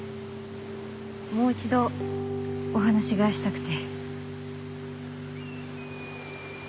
もう一度お話がしたくて。